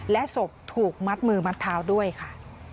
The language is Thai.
และศพถูกมัดมือมัดเท้าด้วยค่ะ